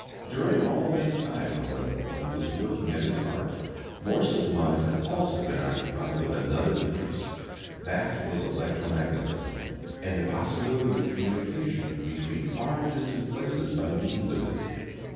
During all this time, however, while he was working at his art, Morse's mind had also been occupied with another interest. That was electromagnetism, and the possibility of communication between far distant places by means of it.